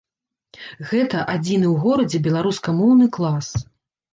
Гэта адзіны ў горадзе беларускамоўны клас.